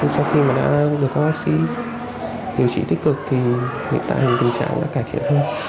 sau khi mà đã được có oxy điều trị tích cực thì hiện tại hình tình trạng đã cải thiện hơn